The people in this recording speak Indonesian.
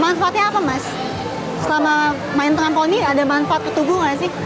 manfaatnya apa mas selama main trampolin ada manfaat ketubuh gak sih